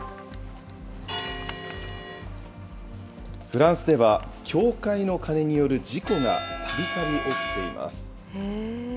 フランスでは、教会の鐘による事故がたびたび起きています。